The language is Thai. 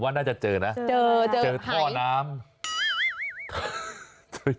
ผมว่าน่าจะเจอนะเจอท่อน้ำเจอไข่